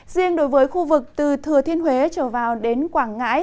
riêng đối với khu vực từ thừa thiên huế trở vào đến quảng ngãi